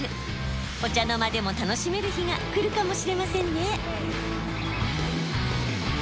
お茶の間でも楽しめる日が来るかもしれませんね。